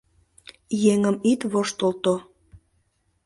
Еҥым ит воштылто...